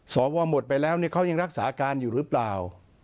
สวหมดไปแล้วเขายังรักษาการอยู่หรือเปล่า